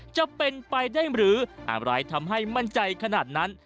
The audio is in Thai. จะเป็นไปได้หรืออะไรทำให้มั่นใจขนาดนั้น